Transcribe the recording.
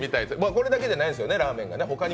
これだけじゃないんですよね、ラーメンが。